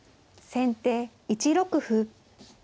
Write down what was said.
先手１六歩。